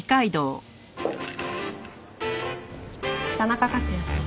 田中克也さん。